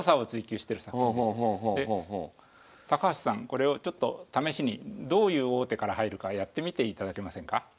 これをちょっと試しにどういう王手から入るかやってみていただけませんか？